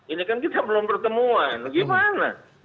ini kan kita belum pertemuan gimana